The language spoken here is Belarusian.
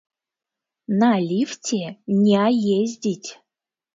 На ліфце не ездзіць!